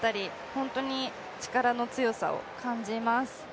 本当に力の強さを感じます。